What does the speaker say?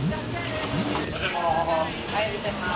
おはようございます。